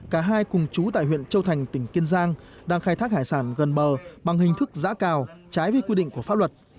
cả hai cùng chú tại huyện châu thành tỉnh kiên giang đang khai thác hải sản gần bờ bằng hình thức giã cào trái với quy định của pháp luật